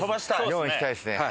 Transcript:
「４」いきたいですね。